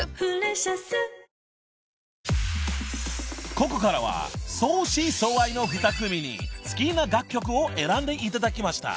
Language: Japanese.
［ここからは相思相愛の２組に好きな楽曲を選んでいただきました］